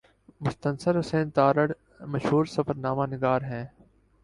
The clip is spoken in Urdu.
مستنصر حسین تارڑ مشہور سفرنامہ نگار ہیں